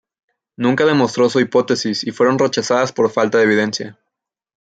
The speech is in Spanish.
Nunca demostró sus hipótesis, y fueron rechazadas por falta de evidencia.